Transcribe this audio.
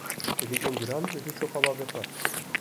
Çêlikên guran didin şopa bavên xwe.